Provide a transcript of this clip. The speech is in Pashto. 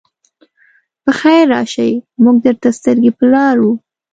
پخير راشئ! موږ درته سترګې په لار وو.